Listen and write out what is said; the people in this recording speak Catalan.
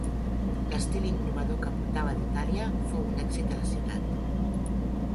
L'estil innovador que portava d'Itàlia fou un èxit a la ciutat.